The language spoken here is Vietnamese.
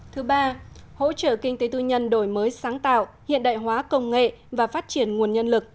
thứ ba hỗ trợ kinh tế tư nhân đổi mới sáng tạo hiện đại hóa công nghệ và phát triển nguồn nhân lực